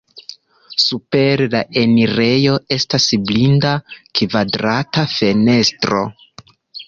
Super la enirejo estas blinda kvadrata fenestro.